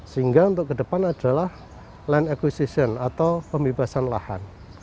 sehingga untuk kedepan adalah land acquisition atau pembebasan lahan